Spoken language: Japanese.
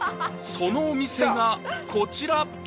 そのお店がこちら